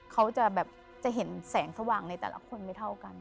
เขาจะแบบจะเห็นแสงสว่างในแต่ละคนไม่เท่ากัน